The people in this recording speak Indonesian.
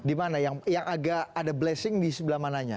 dimana yang agak ada blessing di sebelah mananya